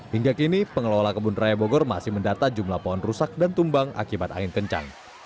hingga kini pengelola kebun raya bogor masih mendata jumlah pohon rusak dan tumbang akibat angin kencang